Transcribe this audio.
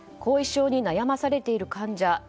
後遺症に悩まされている患者